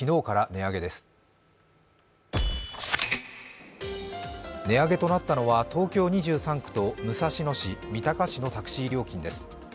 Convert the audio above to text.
値上げとなったのは東京２３区と武蔵野市、三鷹市のタクシー料金です。